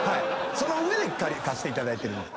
その上で貸していただいてる。